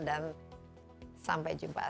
dan sampai jumpa